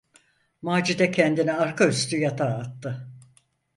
Macide kendini arka üstü yatağa attı.